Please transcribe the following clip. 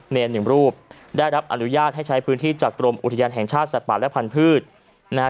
หนึ่งรูปได้รับอนุญาตให้ใช้พื้นที่จากกรมอุทยานแห่งชาติสัตว์ป่าและพันธุ์นะฮะ